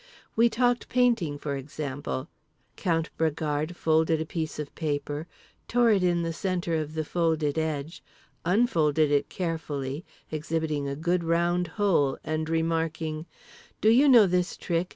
We talked painting, for example: Count Bragard folded a piece of paper, tore it in the centre of the folded edge, unfolded it carefully, exhibiting a good round hole, and remarking: "Do you know this trick?